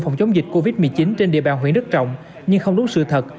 phòng chống dịch covid một mươi chín trên địa bàn huyện đức trọng nhưng không đúng sự thật